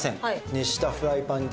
熱したフライパンにですね